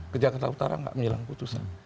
ke jakarta utara nggak menjelang putusan